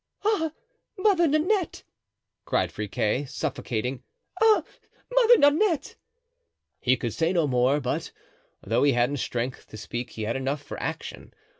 "Ah! Mother Nanette!" cried Friquet, suffocating; "ah! Mother Nanette!" He could say no more; but though he hadn't strength to speak he had enough for action.